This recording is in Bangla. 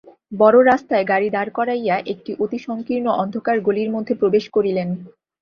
বড়ো রাস্তায় গাড়ি দাঁড় করাইয়া একটি অতি সংকীর্ণ অন্ধকার গলির মধ্যে প্রবেশ করিলেন।